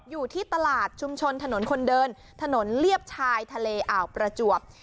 อยู่ที่ตลาดชุมชนถนนคนเดินถนนเลียบชายทะเลอ่าวประจวบ